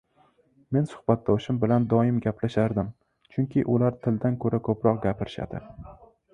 Men suhbatdoshim bilan doim gaplashardim, chunki ular tildan ko'ra ko'proq gapirishadi.